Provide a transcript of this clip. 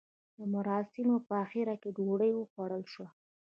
د مراسیمو په اخر کې ډوډۍ وخوړل شوه.